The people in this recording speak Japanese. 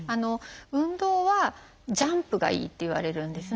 運動はジャンプがいいっていわれるんですね。